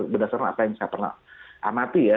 berdasarkan apa yang saya pernah amati ya